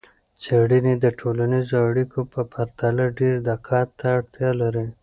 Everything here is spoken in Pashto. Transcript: څیړنې د ټولنیزو اړیکو په پرتله ډیر دقت ته اړتیا لري.